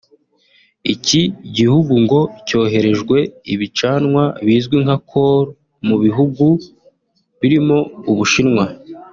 Iki gihugu ngo cyoherejwe ibicanwa bizwi na ‘coal’ mu bihugu birimo u Bushinwa